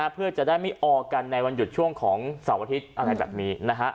เพื่อจะได้ไม่ออกกันในวันหยุดช่วงของเสาร์อาทิตย์อะไรแบบนี้